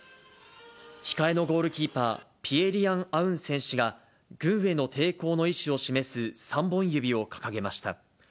控えのゴールキーパー、ピエ・リアン・アウン選手が、軍への抵抗の意思を示す３本指を掲げました。